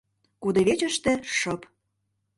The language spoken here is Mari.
Кудывечыште шып.